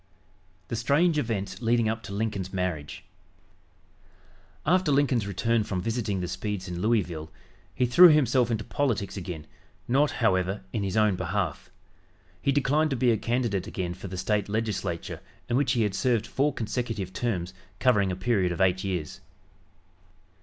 THE STRANGE EVENTS LEADING UP TO LINCOLN'S MARRIAGE After Lincoln's return from visiting the Speeds in Louisville, he threw himself into politics again, not, however, in his own behalf. He declined to be a candidate again for the State Legislature, in which he had served four consecutive terms, covering a period of eight years.